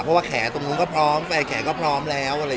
เพราะว่าแขตรงนู้นก็พร้อมแฟนแขกก็พร้อมแล้ว